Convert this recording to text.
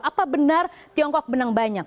apa benar tiongkok menang banyak